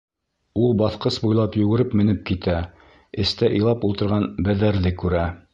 Ул баҫҡыс буйлап йүгереп менеп китә, эстә илап ултырған Бәҙәрҙе күрә.